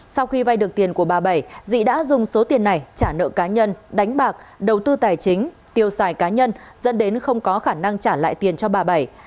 sau khi vay được tiền của bà bảy dị đã dùng số tiền này trả nợ cá nhân đánh bạc đầu tư tài chính tiêu xài cá nhân dẫn đến không có khả năng trả lại tiền cho bà bảy